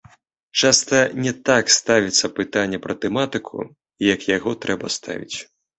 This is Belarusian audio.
Часта не так ставіцца пытанне пра тэматыку, як яго трэба ставіць.